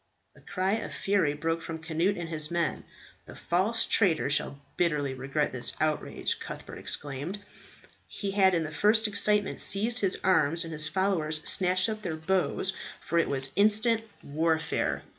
A cry of fury broke from Cnut and his men. "The false traitor shall bitterly regret this outrage," Cuthbert exclaimed. He had in the first excitement seized his arms, and his followers snatched up their bows, as if for instant warfare.